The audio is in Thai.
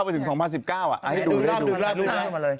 ๒๐๐๙ไปถึง๒๐๑๙อ่ะเอาให้ดูเลยดูรอบมาเลย